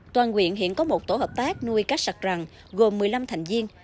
toàn nguyện hiện có một tổ hợp tác nuôi cá sạc rằn gồm một mươi năm thành viên